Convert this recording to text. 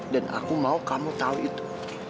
dan aku mau kamu tau itu